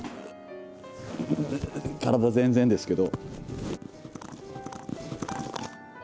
体全然ですけど。